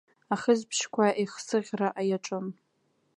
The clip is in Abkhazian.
Ахысыбжьқәа аихсыӷьра иаҿын.